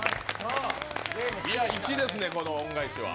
いや、粋ですね、この恩返しは。